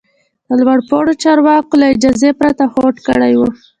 د لوړ پوړو چارواکو له اجازې پرته هوډ کړی و.